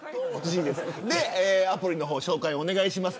アプリの方、紹介お願いします。